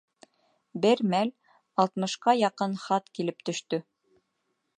Бер мәл алтмышҡа яҡын хат килеп төштө.